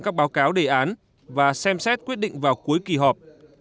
các báo cáo đề án và xem xét quyết định vào cuối kỳ họp